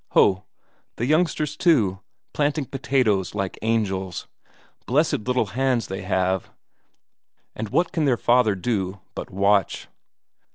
Ho, the youngsters too, planting potatoes like angels; blessed little hands they have, and what can their father do but watch?